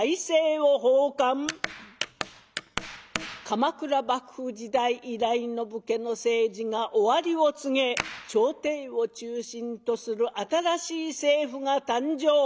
鎌倉幕府時代以来の武家の政治が終わりを告げ朝廷を中心とする新しい政府が誕生。